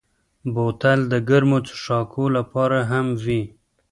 بوتل د ګرمو څښاکو لپاره هم وي.